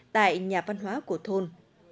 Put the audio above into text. tại nhà văn hoá của thôn